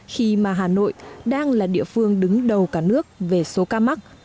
khi mà hà nội đang là địa phương đứng đầu cả nước về số ca mắc